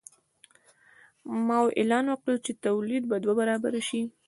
ماوو اعلان وکړ چې تولید به دوه برابره شي.